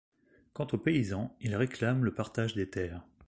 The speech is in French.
Quant aux paysans, ils réclament le partage des terres.